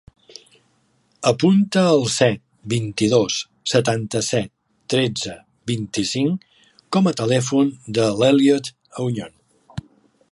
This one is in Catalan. Apunta el set, vint-i-dos, setanta-set, tretze, vint-i-cinc com a telèfon de l'Elliot Auñon.